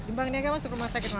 di bank niaga masuk rumah sakit